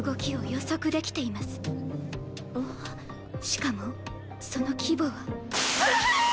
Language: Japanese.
しかもその規模は。